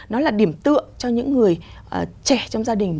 nó là điểm tượng cho những người trẻ trong gia đình